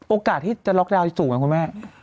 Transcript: โอกาสที่จะล็อกดาวน์ที่สุดมั้ยคุณแม่